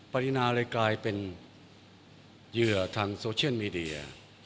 ปรินาเลยกลายเป็นเหยื่อทางโซเชียลมีเดีย